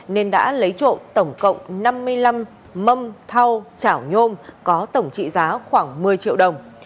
nên đã lấy trộm tổng cộng năm mươi năm mâm thao chảo nhôm có tổng trị giá khoảng một mươi triệu đồng